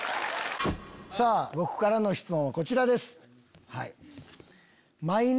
さぁ僕からの質問はこちらです。